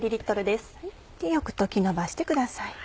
よく溶きのばしてください。